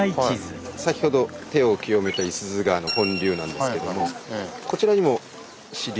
先ほど手を清めた五十鈴川の本流なんですけどもこちらにも支流。